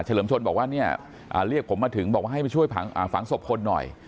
เลิมชนบอกว่าเนี่ยเรียกผมมาถึงบอกว่าให้มาช่วยฝังศพคนหน่อย